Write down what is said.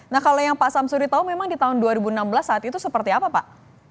nah kalau yang pak samsuri tahu memang di tahun dua ribu enam belas saat itu seperti apa pak